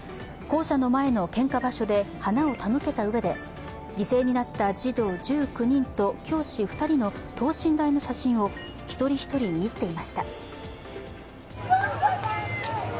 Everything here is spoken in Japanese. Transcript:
校舎の前の献花場所で花を手向けたうえで犠牲になった児童１９人と教師２人の等身大の写真を一人一人、見入っていました。